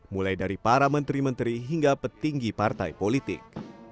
mulai dari para menteri menteri hingga petinggi partai politik